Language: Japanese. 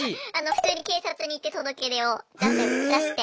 普通に警察に行って届け出を出して。